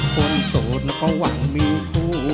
คนสูตรก็หวังมีคู่